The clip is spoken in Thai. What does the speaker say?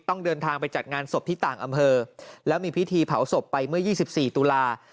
เดินทางไปจัดงานศพที่ต่างอำเภอแล้วมีพิธีเผาศพไปเมื่อ๒๔ตุลา